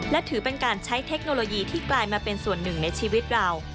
และถือเป็นการใช้เทคโนโลยีที่กลายมาเป็นส่วนหนึ่งในชีวิตเรา